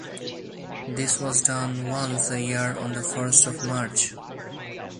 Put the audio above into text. This was done once a year on the first of March.